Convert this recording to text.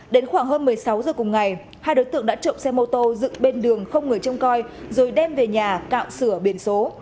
đến khoảng hơn một mươi sáu giờ cùng ngày hai đối tượng đã trộm xe mô tô dựng bên đường không người trông coi rồi đem về nhà cạo sửa biển số